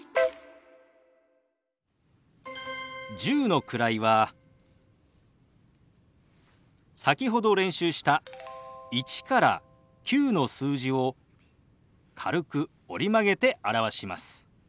１０の位は先ほど練習した１から９の数字を軽く折り曲げて表します。